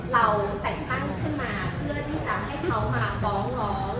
เราแต่งตั้งขึ้นมาเพื่อที่จะให้เขามาฟ้องร้อง